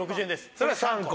それを３個。